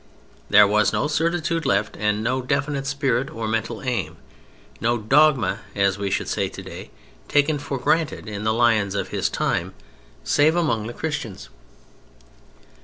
There was no certitude left and no definite spirit or mental aim, no "dogma" (as we should say today) taken for granted in the Lyons of his time, save among the Christians.